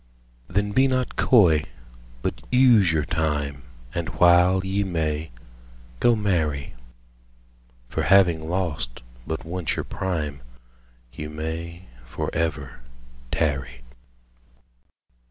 Then be not coy, but use your time, And while ye may, go marry: For having lost but once your prime, 15 You may for ever tarry.